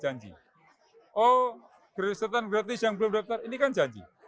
janji oh gresetan gratis yang belum daftar ini kan janji